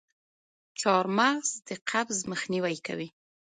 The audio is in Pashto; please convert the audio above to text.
چارمغز د قبض مخنیوی کوي.